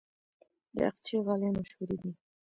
د اقچې غالۍ مشهورې دي